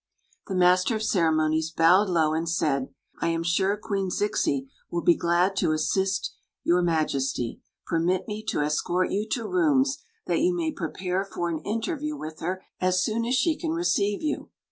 Th< waasta of ceremonies bow«d low and said: " I safe Qumi Zixi will glad to assist your Mm^i^y, fWmit me to escort ^ i to rooms, that y nay prepare for an interview v. ith her as soon ao ^ iie can receive you."